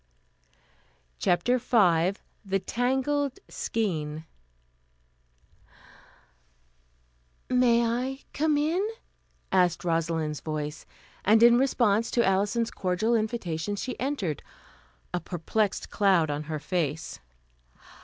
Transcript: CHAPTER V THE TANGLED SKEIN "May I come in?" asked Rosalind's voice, and in response to Alison's cordial invitation, she entered, a perplexed cloud on her face.